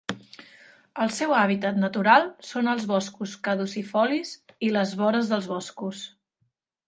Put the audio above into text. El seu hàbitat natural són els boscos caducifolis i les vores dels boscos.